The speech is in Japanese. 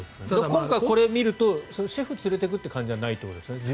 今回これを見るとシェフを連れていくという感じじゃないんですね。